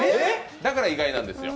だから意外なんですよ。